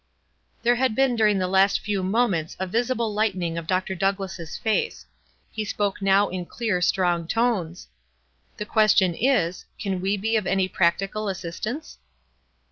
There had been during the last few momenta a visible lightening of Dr. Douglass' face ; he spoke now in clear, strong tones : "The question is, can we be of practical as sistance